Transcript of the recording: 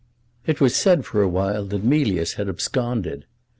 It was said for a while that Mealyus had absconded.